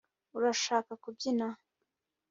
urashaka kubyina